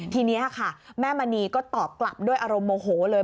ทีนี้ค่ะแม่มณีก็ตอบกลับด้วยอารมณ์โมโหเลย